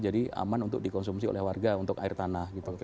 jadi aman untuk dikonsumsi oleh warga untuk air tanah